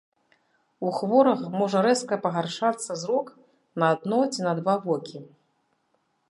У хворага можа рэзка пагаршацца зрок на адно ці на два вокі.